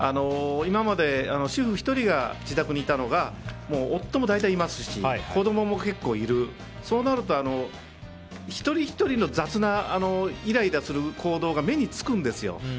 今まで主婦１人が自宅にいたのが夫も大体いますし子供も結構いるそうなると、一人ひとりの雑な、イライラする行動が目につくんですよ。